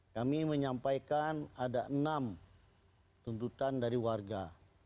kami menyampaikan ada enam tuntutan dari warga